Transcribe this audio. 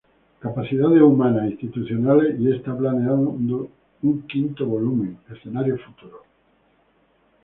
Capacidades humanas e institucionales, y está planeado un quinto volumen: Escenarios futuros.